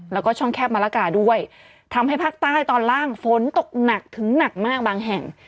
แล้วก็ช่องแคบมะละกาด้วยทำให้ภาคใต้ตอนล่างฝนตกหนักถึงหนักมากบางแห่ง